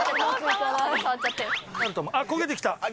あっ焦げてきた！